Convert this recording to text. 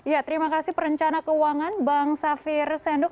ya terima kasih perencana keuangan bang safir senduk